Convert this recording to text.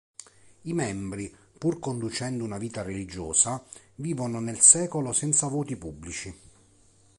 I membri, pur conducendo una vita religiosa, vivono nel secolo senza voti pubblici.